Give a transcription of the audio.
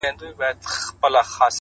هره ورځ د نوې تجربې دروازه ده’